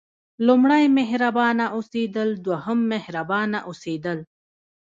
لومړی مهربانه اوسېدل دوهم مهربانه اوسېدل.